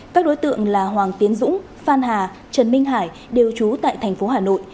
các đối tượng là hoàng tiến dũng phan hà trần minh hải đều trú tại thành phố hà nội